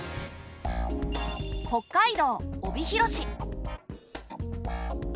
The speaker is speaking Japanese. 北海道帯広市。